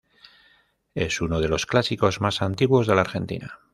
Es uno de los clásicos más antiguos de la Argentina.